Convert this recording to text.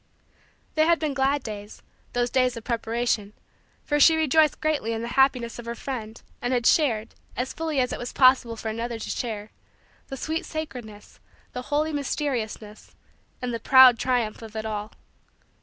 They had been glad days those days of preparation for she rejoiced greatly in the happiness of her friend and had shared, as fully as it was possible for another to share, the sweet sacredness, the holy mysteriousness, and the proud triumph of it all.